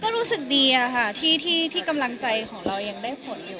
ก็รู้สึกดีค่ะที่กำลังใจของเรายังได้ผลอยู่